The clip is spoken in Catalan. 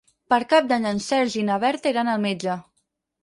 Per Cap d'Any en Sergi i na Berta iran al metge.